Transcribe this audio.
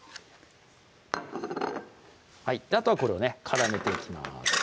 あとはこれをね絡めていきます